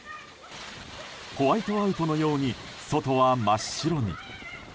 ホワイトアウトのように外は真っ白に。